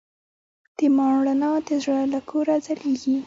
د ایمان رڼا د زړه له کوره ځلېږي.